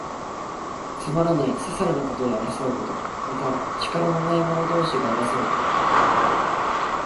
つまらない、ささいなことで争うこと。また、力のない者同士が争うこと。